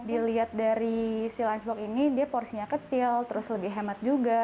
dilihat dari si lunchbox ini dia porsinya kecil terus lebih hemat juga